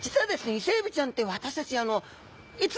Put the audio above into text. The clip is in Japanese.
イセエビちゃんって私たちあの見ないです！